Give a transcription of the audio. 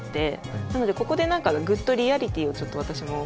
なのでここで何かグッとリアリティーをちょっと私も感じましたね。